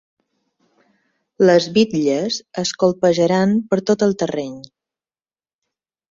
Les bitlles es colpejaran per tot el terreny.